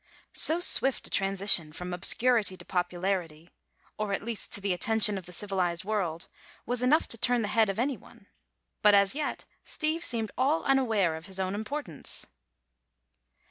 So swift a transition from obscurity to popularity—or at least to the attention of the civilized world—was enough to turn the head of anyone; but as yet Steve seemed all unaware of his own importance.